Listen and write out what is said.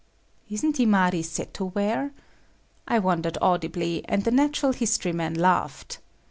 Isn't imari seto ware? I wondered audibly, and the natural history man laughed.